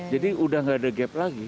jadi udah gak ada gap lagi